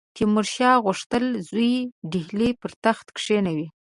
تیمورشاه غوښتل زوی ډهلي پر تخت کښېنوي.